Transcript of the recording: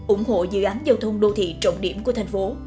ủng hộ dự án giao thông đô thị trọng điểm của thành phố